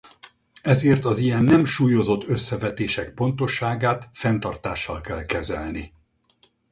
Ezért az ilyen nem súlyozott összevetések pontosságát fenntartással kell kezelni.